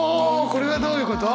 これはどういうこと？